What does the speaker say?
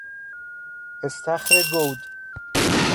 استخر گود